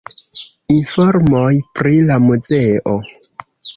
Informoj pri la muzeo.